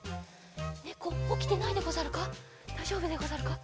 ねこおきてないでござるか？